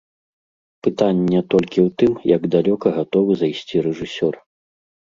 Пытанне толькі ў тым, як далёка гатовы зайсці рэжысёр.